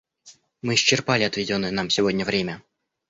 Мы исчерпали отведенное нам сегодня время.